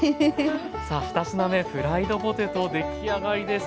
さあ２品目フライドポテト出来上がりです。